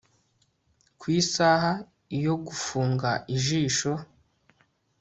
Ku isaha iyo gufunga ijisho